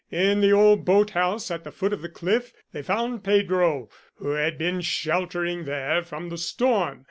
In the old boat house at the foot of the cliff they found Pedro, who had been sheltering there from the storm.